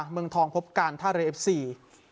เมืองทองพบการท่าเรือเอฟซี